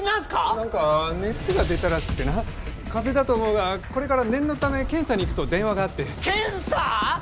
何か熱が出たらしくてな風邪だと思うがこれから念のため検査に行くと電話があって検査ー！？